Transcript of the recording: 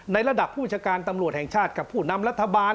ระดับผู้จัดการตำรวจแห่งชาติกับผู้นำรัฐบาล